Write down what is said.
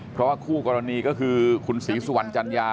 เพราะว่าคู่กรณีก็คือคุณศรีสุวรรณจัญญา